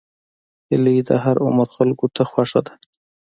هیلۍ د هر عمر خلکو ته خوښه ده